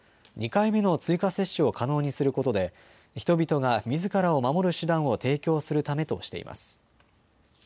２回目の追加接種を可能にすることで人々がみずからを守る手段を提供するためとしています。